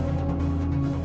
aku mau ke rumah